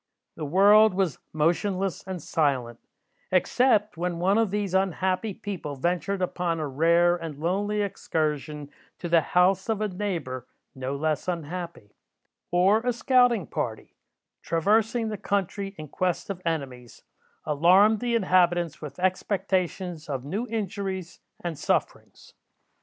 The world was motionless and silent, except when one of these unhappy people ventured upon a rare and lonely excursion to the house of a neighbour no less unhappy, or a scouting party, traversing the country in quest of enemies, alarmed the inhabitants with expectations of new injuries and sufferings.